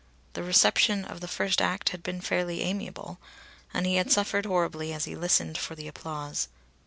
The reception of the first act had been fairly amiable, and he had suffered horribly as he listened for the applause.